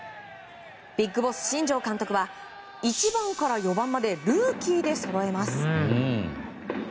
ビッグボス新庄監督は１番から４番までルーキーでそろえます。